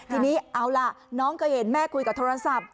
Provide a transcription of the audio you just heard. ทีนี้เอาล่ะน้องเคยเห็นแม่คุยกับโทรศัพท์